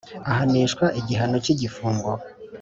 ahanishwa igihano cy igifungo